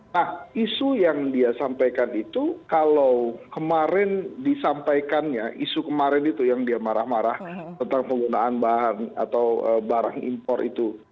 nah isu yang dia sampaikan itu kalau kemarin disampaikannya isu kemarin itu yang dia marah marah tentang penggunaan bahan atau barang impor itu